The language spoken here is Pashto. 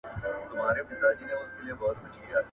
• سر که ولاړ سي، عادت نه ځي.